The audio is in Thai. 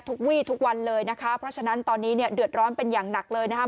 วี่ทุกวันเลยนะคะเพราะฉะนั้นตอนนี้เนี่ยเดือดร้อนเป็นอย่างหนักเลยนะครับ